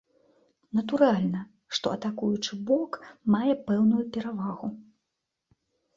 Натуральна, што атакуючы бок мае пэўную перавагу.